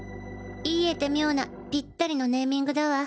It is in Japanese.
言いえて妙なピッタリのネーミングだわ。